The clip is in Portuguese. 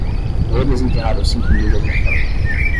Vou desenterrar os cinco mil de alguma forma.